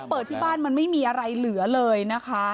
เปิดที่บ้านมันไม่มีอะไรเหลือเลยนะคะ